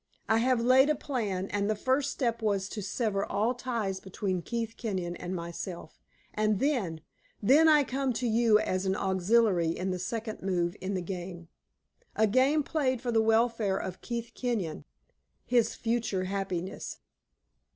I have laid a plan, and the first step was to sever all ties between Keith Kenyon and myself, and then then I come to you as an auxiliary in the next move in the game a game played for the welfare of Keith Kenyon his future happiness!